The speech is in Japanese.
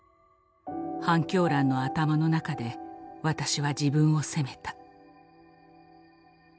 半狂乱の頭の中で私は自分を責めた。